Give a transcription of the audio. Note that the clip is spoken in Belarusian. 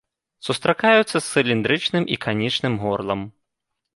Сустракаюцца з цыліндрычным і канічным горлам.